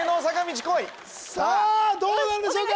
さあどうなるんでしょうか？